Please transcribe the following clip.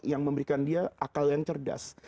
yang memberikan dia akal yang cerdas